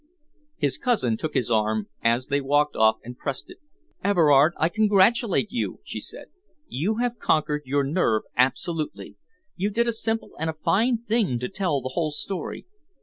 His cousin took his arm as they walked off and pressed it. "Everard, I congratulate you," she said. "You have conquered your nerve absolutely. You did a simple and a fine thing to tell the whole story.